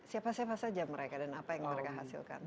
siapa siapa saja mereka dan apa yang mereka hasilkan